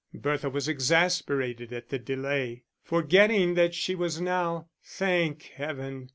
Bertha was exasperated at the delay, forgetting that she was now (thank Heaven!)